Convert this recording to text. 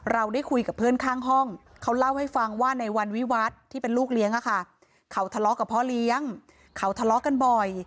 เราได้คุยกับเพื่อนข้างห้องเขาเล่าให้ฟังว่าในวันวิวัฒน์ที่เป็นลูกเลี้ยงอะค่ะเขาทะเลาะกับพ่อเลี้ยงเขาทะเลาะกันบ่อย